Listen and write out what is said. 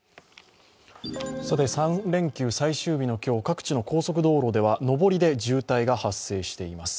３連休最終日の今日、各地の高速道路では上りで渋滞が発生しています。